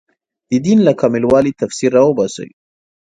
د دین له کامل والي تفسیر راوباسي